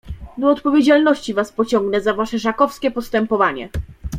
"Do odpowiedzialności was pociągnę za wasze żakowskie postępowanie."